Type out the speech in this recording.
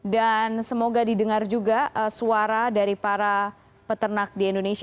dan semoga didengar juga suara dari para peternak di indonesia